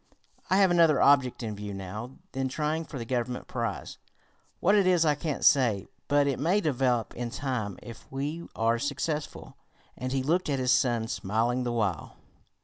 "I have another object in view now than trying for the Government prize. What it is I can't say, but it may develop in time if we are successful," and he looked at his son, smiling the while.